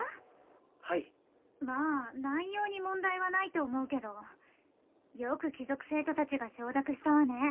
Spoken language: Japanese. はいまあ内容に問題はないと思うけどよく貴族生徒達が承諾したわね